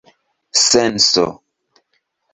senso